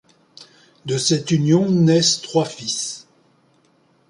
De cette union naissent trois fils.